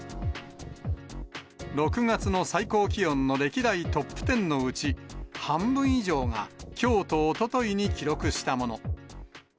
６月の最高気温の歴代トップ１０のうち、半分以上が、きょうとおとといに記録したもの。